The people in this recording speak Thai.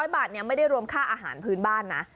๐บาทไม่ได้รวมค่าอาหารพื้นบ้านนะ